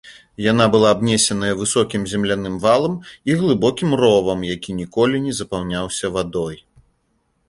Яна была абнесеная высокім земляным валам і глыбокім ровам, які ніколі не запаўняўся вадой.